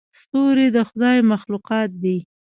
ستوري د خدای مخلوقات دي.